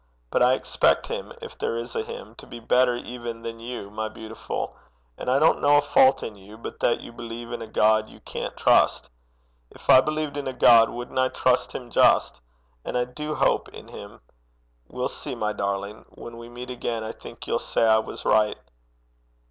But I expect Him, if there is a Him, to be better even than you, my beautiful and I don't know a fault in you, but that you believe in a God you can't trust. If I believed in a God, wouldn't I trust him just? And I do hope in him. We'll see, my darling. When we meet again I think you'll say I was right.'